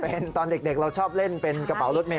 เป็นตอนเด็กเราชอบเล่นเป็นกระเป๋ารถเมย